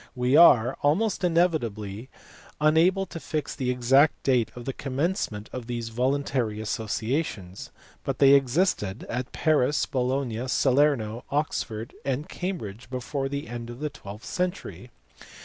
We are, almost inevitably, unable to fix the exact date of the commencement of these voluntary associations, but they existed at Paris, Bologna, Salerno, Oxford, and Cambridge before the end of the twelfth century.